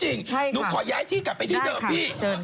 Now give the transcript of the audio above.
หนูขอย้ายที่กลับไปที่เดิมพี่